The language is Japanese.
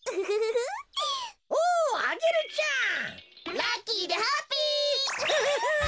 ラッキーでハッピー！